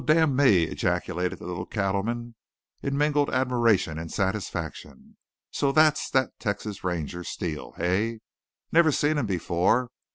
"Wal, damn me!" ejaculated the little cattleman in mingled admiration and satisfaction. "So thet's that Texas Ranger, Steele, hey? Never seen him before.